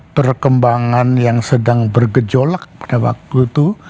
perkembangan yang sedang bergejolak pada waktu itu